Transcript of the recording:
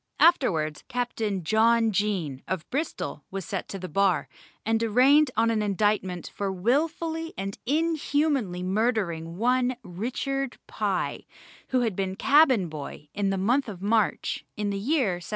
Afterwards Captain John Jaen, of Bristol, was set to the bar, and arraigned on an indictment for wilfully and inhumanly murdering one Richard Pye, who had been cabin boy, in the month of March, in the year 1724.